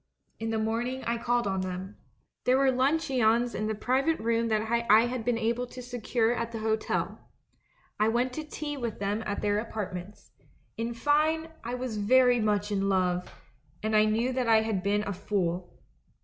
In the morning I called on them. "I stayed in the place four or five days. There were luncheons in the private room that I had been able to secure at the hotel. I went to tea with them at their apartments. In fine, I was very much in love, and I knew that I had been a fool.